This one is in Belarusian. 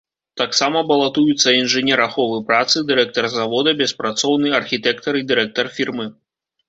Таксама балатуюцца інжынер аховы працы, дырэктар завода, беспрацоўны, архітэктар і дырэктар фірмы.